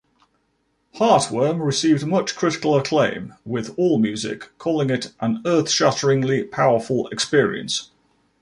"Heartworm" received much critical acclaim, with "Allmusic" calling it "an earth-shatteringly powerful experience".